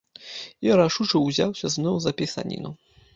І рашуча ўзяўся зноў за пісаніну.